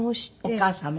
お母様？